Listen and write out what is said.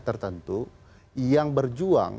tertentu yang berjuang